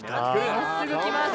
まっすぐ来ます。